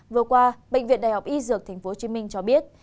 vừa qua bệnh viện đại học y dược tp hcm cho biết